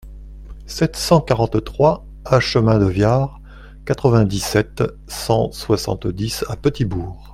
sept cent quarante-trois A chemin de Viard, quatre-vingt-dix-sept, cent soixante-dix à Petit-Bourg